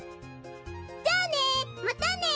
じゃあねまたね。